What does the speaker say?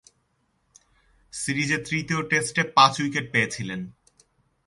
সিরিজের তৃতীয় টেস্টে পাঁচ উইকেট পেয়েছিলেন।